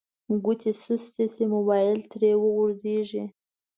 ګوتې سستې شي موبایل ترې وغورځیږي